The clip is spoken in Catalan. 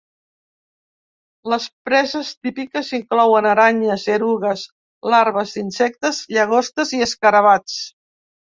Les preses típiques inclouen aranyes, erugues, larves d'insectes, llagostes i escarabats.